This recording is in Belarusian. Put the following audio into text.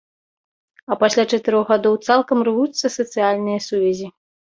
А пасля чатырох гадоў цалкам рвуцца сацыяльныя сувязі.